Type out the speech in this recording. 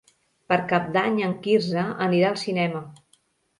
Per Cap d'Any en Quirze anirà al cinema.